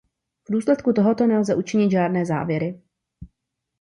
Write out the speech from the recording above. V důsledku tohoto nelze učinit žádné závěry.